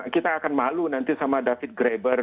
kita akan malu nanti sama david grabber